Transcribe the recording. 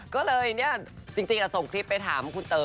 ก็เลยเนี่ยจริงส่งคลิปไปถามคุณเต๋อ